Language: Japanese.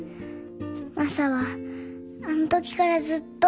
マサはあの時からずっと。